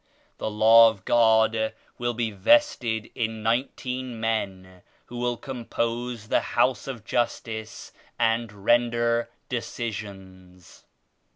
The Law of God will be vested in nineteen men who will compose the liouse of Justice and render decisions.